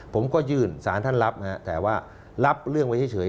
ผมก็ยื่นสารท่านรับแต่ว่ารับเรื่องไว้เฉย